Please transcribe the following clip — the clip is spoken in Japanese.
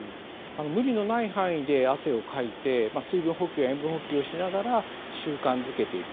無理のない範囲で汗をかいて水分補給や塩分補給をしながら習慣付けていく。